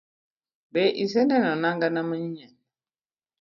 Be iseneno nanga na manyien?